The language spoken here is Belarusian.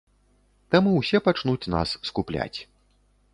Таму ўсе пачнуць нас скупляць.